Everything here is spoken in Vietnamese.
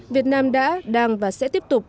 việt nam đã đang và sẽ tiếp tục